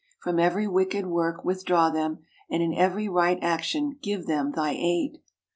From every wicked work withdraw them, and in every right action give them Thy aid.